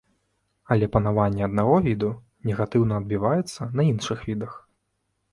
Але панаванне аднаго віду негатыўна адбіваецца на іншых відах.